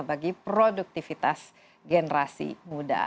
bagi produktivitas generasi muda